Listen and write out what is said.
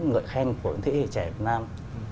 ngợi khen của thế hệ trẻ việt nam